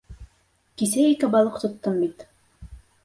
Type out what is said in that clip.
Кисә ике балыҡ тоттом бит.